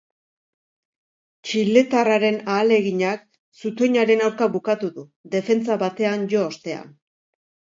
Txiletarraren ahaleginak zutoinaren aurka bukatu du, defentsa batean jo ostean.